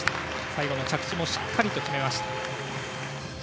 最後の着地もしっかり決めました。